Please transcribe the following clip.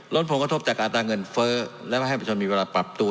ลดโผล่งกระทบจากอาตาเงินเฟ้อและว่าให้ผู้ชมมีเวลาปรับตัว